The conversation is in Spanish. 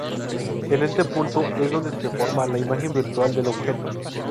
En este punto es donde se forma la imagen virtual del objeto.